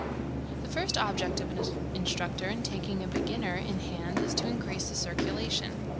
The first object of an instructor in taking a beginner in hand is to increase the circulation.